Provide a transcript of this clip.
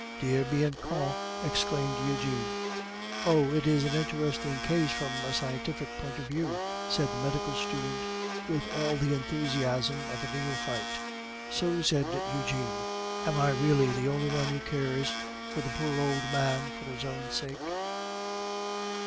"Dear Bianchon," exclaimed Eugene. "Oh! it is an interesting case from a scientific point of view," said the medical student, with all the enthusiasm of a neophyte. "So!" said Eugene. "Am I really the only one who cares for the poor old man for his own sake?"